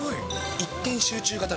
一点集中型だ。